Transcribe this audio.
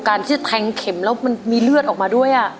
การที่จะแทงเข็มแล้วมันมีเลือดออกมาด้วย